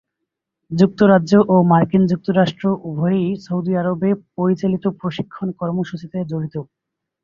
যুক্তরাজ্য এবং মার্কিন যুক্তরাষ্ট্র উভয়ই সৌদি আরবে পরিচালিত প্রশিক্ষণ কর্মসূচিতে জড়িত।